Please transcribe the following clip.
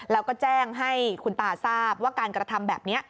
แล้วก็แจ้งให้คุณตาทราบว่าการกระทำแบบนี้